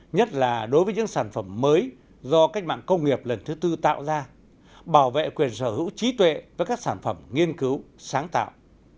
nhất là đối với những sản phẩm mới do cách mạng công nghiệp lần thứ tư tạo ra bảo vệ quyền sở hữu trí tuệ với các sản phẩm nghiên cứu sáng tạo